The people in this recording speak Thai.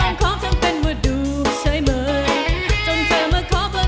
อ้อมขอบทำเป็นวัตดูช่วยเมย์จนเธอมาขอบแล้ว